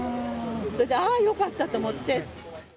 それで、ああよかったと思って。